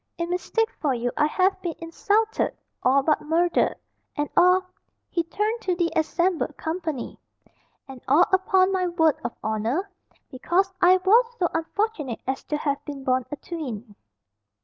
In mistake for you I have been insulted, all but murdered, and all" he turned to the assembled company "and all, upon my word of honour, because I was so unfortunate as to have been born a twin."